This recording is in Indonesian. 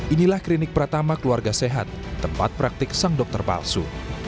inilah klinik pertama keluarga sehat tempat praktik sang dokter palsu